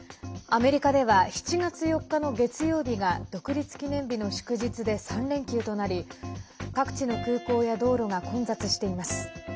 アメリカでは７月４日の月曜日が独立記念日の祝日で３連休となり各地の空港や道路が混雑しています。